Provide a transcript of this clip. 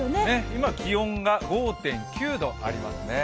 今、気温が５．９度ありますね。